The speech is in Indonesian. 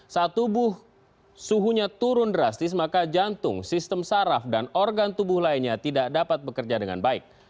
saat tubuh suhunya turun drastis maka jantung sistem saraf dan organ tubuh lainnya tidak dapat bekerja dengan baik